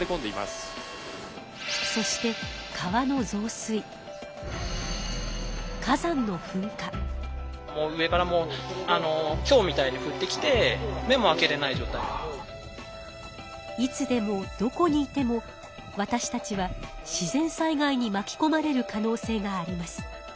そしていつでもどこにいてもわたしたちは自然災害にまきこまれる可能性があります。